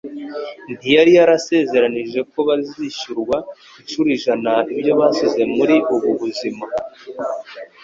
Ntiyari yarasezeranije ko bazishyurwa inshuro ijana ibyo basize muri ubu buzima,